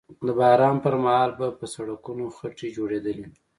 د باران پر مهال به په سړکونو خټې جوړېدلې